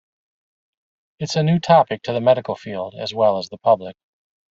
It's a new topic to the medical field, as well as the public.